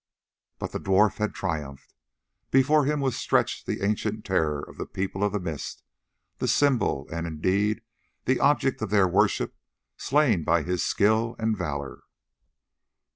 But the dwarf had triumphed. Before him was stretched the ancient terror of the People of the Mist, the symbol and, indeed, the object of their worship, slain by his skill and valour.